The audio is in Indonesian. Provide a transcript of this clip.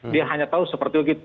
dia hanya tahu seperti itu